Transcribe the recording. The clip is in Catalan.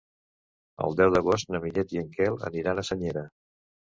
El deu d'agost na Vinyet i en Quel aniran a Senyera.